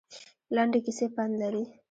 لنډې کیسې پند لري